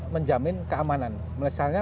menjamin keamanan misalnya